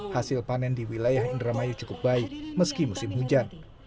hasil panen di wilayah indramayu cukup baik meski musim hujan